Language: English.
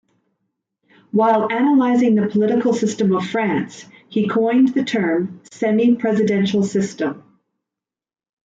While analysing the political system of France, he coined the term semi-presidential system.